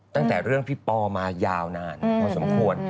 ตั้งแต่เรื่องพี่ปอมายาวนานพอสมควร